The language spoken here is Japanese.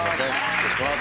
失礼します。